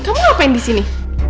kamu ngapain disini